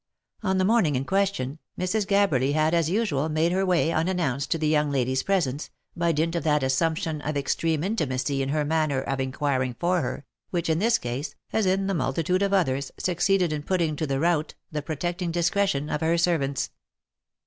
On the morning in question, Mrs. Gabberly had as usual made her way unannounced to the young lady's presence, by dint of that assumption of extreme intimacy in her manner of inquiring for her, which in this case, as in a multitude of others, succeeded in putting to the rout the protecting discretion of her servants.